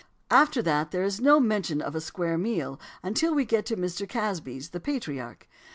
After that, there is no mention of a "square meal" until we get to Mr. Casby's, the "Patriarch."